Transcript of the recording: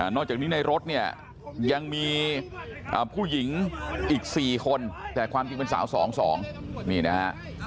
จากนี้ในรถเนี่ยยังมีผู้หญิงอีก๔คนแต่ความจริงเป็นสาว๒๒นี่นะฮะ